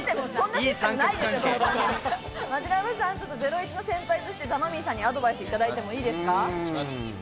マヂラブさん、『ゼロイチ』の先輩としてザ・マミィさんにアドバイスいただいてもいいですか？